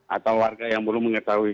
atau warga yang belum mengetahui